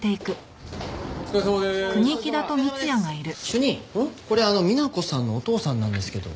主任これ美奈子さんのお父さんなんですけど。